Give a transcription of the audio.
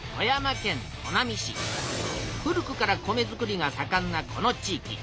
古くから米づくりがさかんなこの地いき。